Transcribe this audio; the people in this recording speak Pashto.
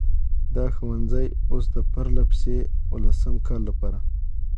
دا ښوونځی اوس د پرلهپسې اوولسم کال لپاره،